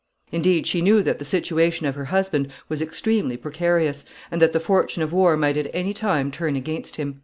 Indeed, she knew that the situation of her husband was extremely precarious, and that the fortune of war might at any time turn against him.